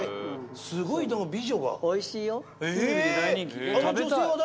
すごい美女が。